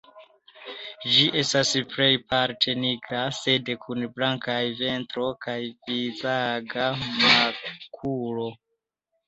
Ĝi estas plejparte nigra, sed kun blankaj ventro kaj vizaĝa makulo.